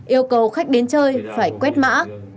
yêu cầu khách đến chơi phải quét mã